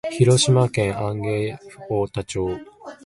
広島県安芸太田町